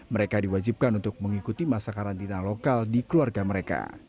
mereka diwajibkan untuk mengikuti masa karantina lokal di keluarga mereka